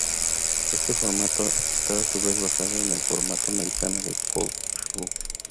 Este formato está a su vez basado en el formato americano de "court show".